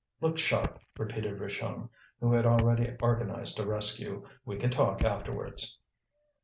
"Look sharp!" repeated Richomme, who had already organized a rescue, "we can talk afterwards."